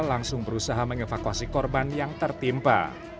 langsung berusaha mengevakuasi korban yang tertimpa